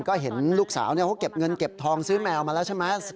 ก็เห็นลูกสาวเขาเก็บเงินเก็บทองซื้อแมวมาแล้วใช่ไหม